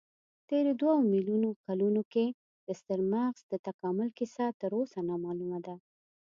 تېرو دوو میلیونو کلونو کې د ستر مغز د تکامل کیسه تراوسه نامعلومه ده.